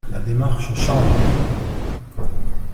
La démarche change.